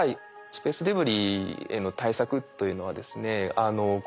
スペースデブリへの対策というのはですね